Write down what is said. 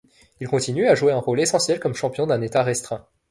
Il continue à jouer un rôle essentiel comme champion d'un État restreint.